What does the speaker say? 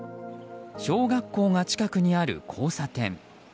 小学校が近くにある交差点。